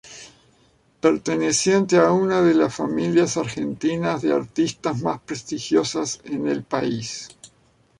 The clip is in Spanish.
Perteneciente a una de las familias argentina de artistas más prestigiosas en el país.